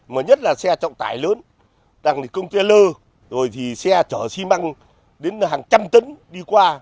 mà nhất là xe trọng tải lớn đằng thì công tia lơ rồi thì xe chở xi măng đến hàng trăm tấn đi qua